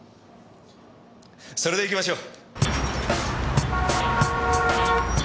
それでいきましょう。